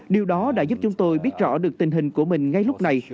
điều đó đã giúp chúng tôi biết rõ được tình hình của mình ngay lúc này